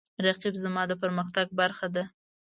رقیب زما د پرمختګ برخه ده